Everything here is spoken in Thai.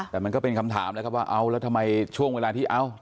แต่มันก็เป็นคำถามนะครับว่าเอาแล้วทำไมช่วงเวลาที่เอ้า